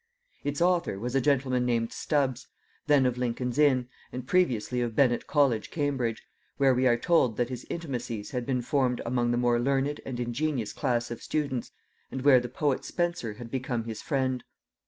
Its author was a gentleman named Stubbs, then of Lincoln's Inn, and previously of Bene't College Cambridge, where we are told that his intimacies had been formed among the more learned and ingenious class of students, and where the poet Spenser had become his friend.